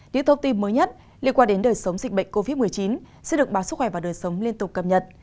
những thông tin mới nhất liên quan đến đời sống dịch bệnh covid một mươi chín sẽ được báo sức khỏe và đời sống liên tục cập nhật